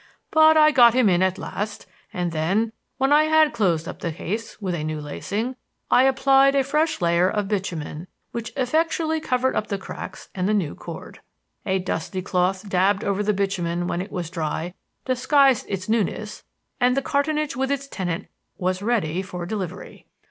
But I got him in at last, and then, when I had closed up the case with a new lacing, I applied a fresh layer of bitumen which effectually covered up the cracks and the new cord. A dusty cloth dabbed over the bitumen when it was dry disguised its newness, and the cartonnage with its tenant was ready for delivery.